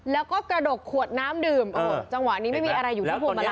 แล้วก็กระดกขวดน้ำดื่มโอ้โหจังหวะนี้ไม่มีอะไรอยู่ที่พวงมาลัย